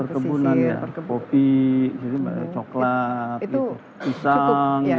perkebunan ya kopi coklat pisang gitu ya